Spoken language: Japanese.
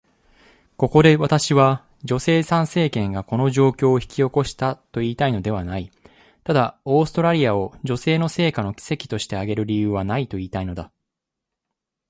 ここで私は、女性参政権がこの状況を引き起こしたと言いたいのではない。ただ、オーストラリアを女性の成果の奇跡として挙げる理由はないと言いたいのだ。